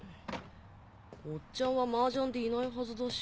おっちゃんはマージャンでいないはずだし。